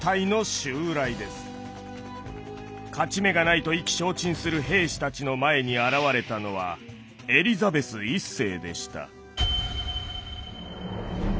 勝ち目がないと意気消沈する兵士たちの前に現れたのはエリザベス１世でした。